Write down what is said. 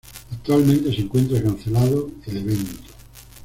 Actualmente se encuentra cancelado el evento.